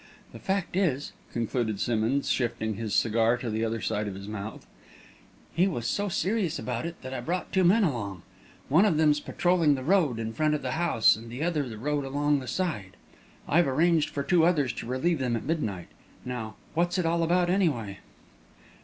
The fact is," concluded Simmonds, shifting his cigar to the other side of his mouth, "he was so serious about it, that I brought two men along. One of them's patrolling the road in front of the house, and the other the road along the side. I've arranged for two others to relieve them at midnight. Now, what's it all about, anyway?"